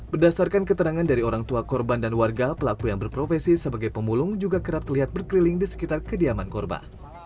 berdasarkan keterangan dari orang tua korban dan warga pelaku yang berprofesi sebagai pemulung juga kerap terlihat berkeliling di sekitar kediaman korban